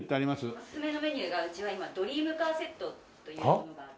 おすすめのメニューがうちは今ドリームカーセットというものがあって。